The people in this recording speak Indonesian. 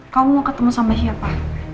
kamu mau ketemu sama siapa